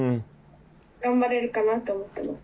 「頑張れるかなと思っています」